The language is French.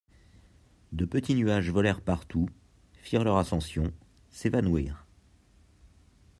De petits nuages volèrent partout, firent leur ascension, s'évanouirent.